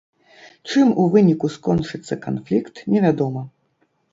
Чым у выніку скончыцца канфлікт, невядома.